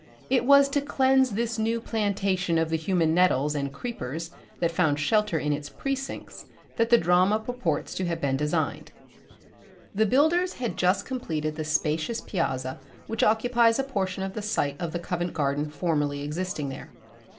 It was to cleanse this new plantation of the human nettles and creepers that found shelter in its precincts that the drama purports to have been designed. The builders had just completed the spacious piazza which occupies a portion of the site of the convent garden formerly existing there.